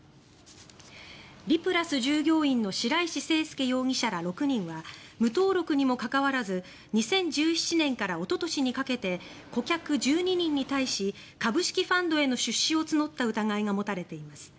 リプラス従業員の白石勢輔容疑者ら６人は無登録にもかかわらず２０１７年からおととしにかけて顧客１２人に対し株式ファンドへの出資を募った疑いが持たれています。